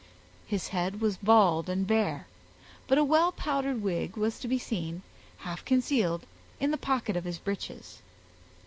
His head was bald and bare, but a well powdered wig was to be seen, half concealed, in the pocket of his breeches.